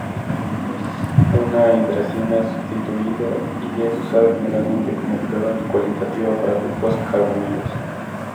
Es una hidrazina substituida y es usada generalmente como prueba cualitativa para grupos carbonilos.